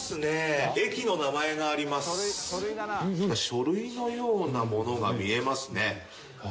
「書類のようなものが見えますね」